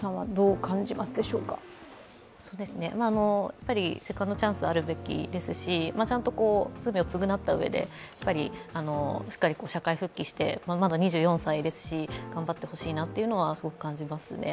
やっぱりセカンドチャンスはあるべきですし、ちゃんと罪を償ったうえで、しっかり社会復帰してまだ２４歳ですし、頑張ってほしいなというのはすごく感じますね。